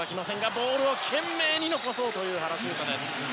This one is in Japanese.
ボールを懸命に残そうとした原修太です。